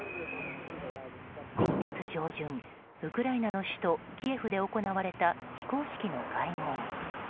今月上旬、ウクライナの首都キエフで行われた非公式の会合。